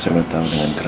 jangan urusin gorgeous